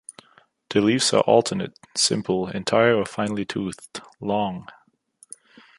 The leaves are alternate, simple, entire or finely toothed, long.